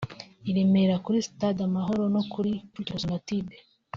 i Remera kuri Stade Amahoro no ku Kicukiro Sonatube